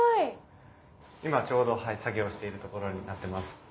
今ちょうど作業しているところになってます。